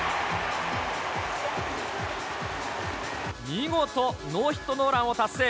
見事、ノーヒットノーランを達成。